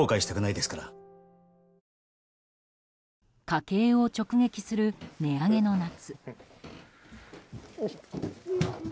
家計を直撃する値上げの夏。